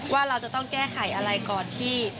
ว่าเราจะต้องแก้ไขอะไรก่อนที่